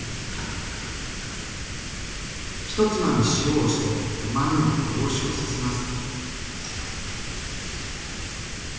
１つまみ塩をしてうまみを凝縮させます。